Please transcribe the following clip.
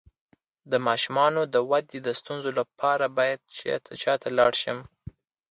د ماشوم د ودې د ستونزې لپاره باید چا ته لاړ شم؟